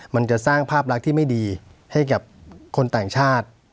มันจะสร้างภาพลักษณ์ที่ไม่ดีให้กับคนต่างชาติ